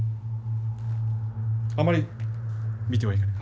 あまり見てはいけない。